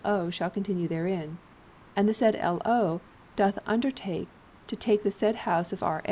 O. shall continue therein. And the said L.O. doth undertake to take the said house of R.